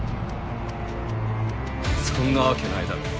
そんなわけないだろう！